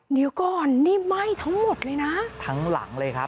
เดี๋ยวก่อนนี่ไหม้ทั้งหมดเลยนะทั้งหลังเลยครับ